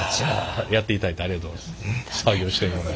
やっていただいてありがとうございます。